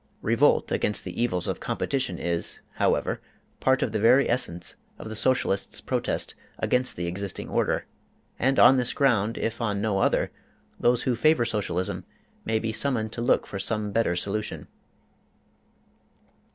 Revolt against the evils of competition is, however, part of the very essence of the Socialist's protest against the existing order, and on this ground, if on no other, those who favor Socialism may be summoned to look for some better solution.